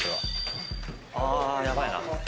ああやばいな。